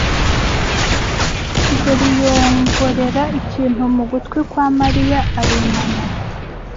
kigeli yongorera ikintu mu gutwi kwa Mariya arunama.